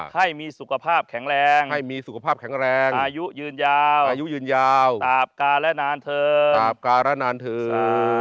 ให้มีสุขภาพแข็งแรงอายุยืนยาวต่าปกาและนานเทิง